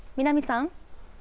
南さん。